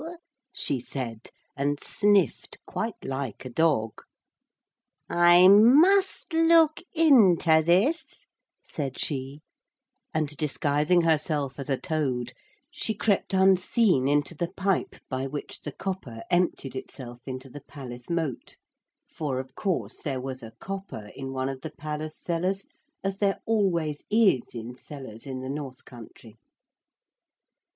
she said, and sniffed quite like a dog. 'I must look into this,' said she, and disguising herself as a toad, she crept unseen into the pipe by which the copper emptied itself into the palace moat for of course there was a copper in one of the palace cellars as there always is in cellars in the North Country.